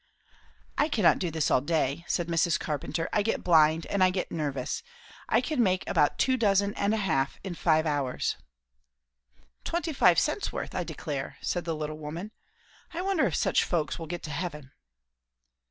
"I cannot do this all day," said Mrs. Carpenter. "I get blind, and I get nervous. I can make about two dozen and a half in five hours." "Twenty five cents' worth: I declare!" said the little woman. "I wonder if such folks will get to heaven?"